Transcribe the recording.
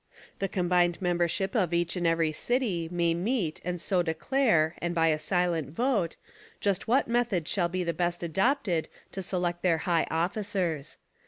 The combined membership of each and every city may meet and so declare and by a silent vote, just what method shall be best adopted to select their high officers.